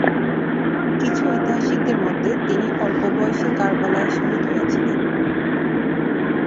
কিছু ঐতিহাসিকদের মতে তিনি অল্প বয়সে কারবালায় শহীদ হয়েছিলেন।